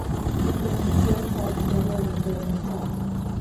Se permitía usar sólo el nivel más alto.